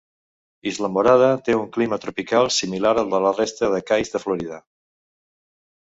Islamorada té un clima tropical similar al de la resta de cais de Florida.